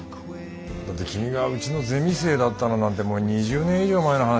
だって君がうちのゼミ生だったのなんてもう２０年以上前の話だろ？